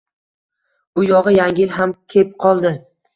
Bu yog‘i Yangi yil ham kep qoldi.